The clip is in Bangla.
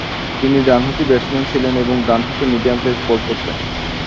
তিনি ডানহাতি ব্যাটসম্যান ছিলেন এবং ডানহাতে মিডিয়াম পেস বল করতেন।